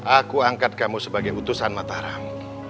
aku angkat kamu sebagai utusan mataram